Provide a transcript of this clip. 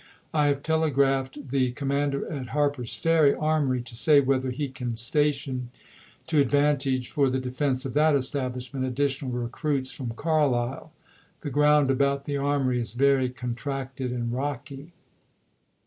I have telegraphed the com mander at Harper's Ferry armory to say whether he can station, to advantage, for the defense of that establish ment, additional recruits from Carlisle. The ground about the armory is very contracted and rocky.